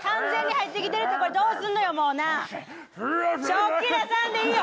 食器出さんでいいよ！